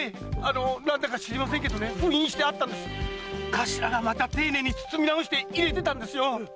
頭がまたていねいに包み直して入れてたんですよ。